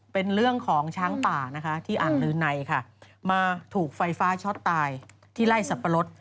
เป็นเรื่องของช้างป่านะคะที่อ่างลือในค่ะมาถูกไฟฟ้าช็อตตายที่ไล่สับปะรด